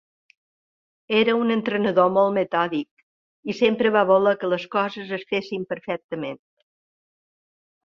Era un entrenador molt metòdic, i sempre va voler que les coses es fessin perfectament.